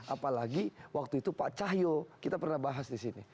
apalagi waktu itu pak cahyo kita pernah bahas disini